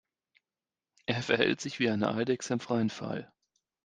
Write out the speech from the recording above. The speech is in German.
Er verhält sich wie eine Eidechse im freien Fall.